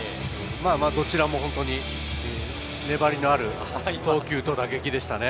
どちらも本当に粘りのある投球と打撃でしたね。